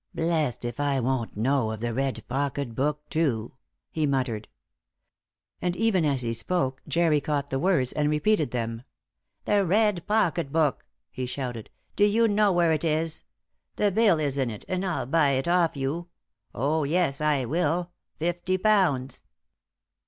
"Blest if I won't know of the red pocket book, too," he muttered. And even as he spoke, Jerry caught the words, and repeated them. "The red pocket book," he shouted. "Do you know where it is? The bill is in it, and I'll buy it off you; oh, yes, I will. Fifty pounds."